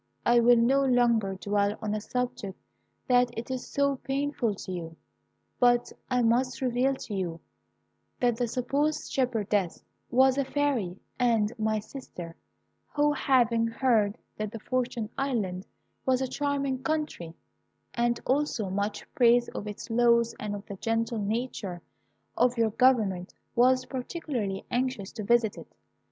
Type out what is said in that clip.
I will no longer dwell on a subject that is so painful to you, but I must reveal to you that the supposed shepherdess was a Fairy, and my sister, who, having heard that the Fortunate Island was a charming country, and also much praise of its laws and of the gentle nature of your government, was particularly anxious to visit it.